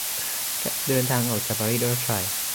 เดินทางออกจากปารีสด้วยรถไฟ